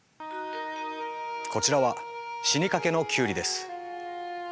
こちらは死にかけのキュウリです。